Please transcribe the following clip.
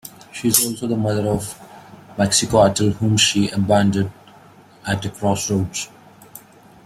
She is also the mother of Mixcoatl, whom she abandoned at a crossroads.